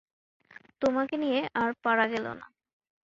তোমাকে নিয়ে আর পারা গেল না।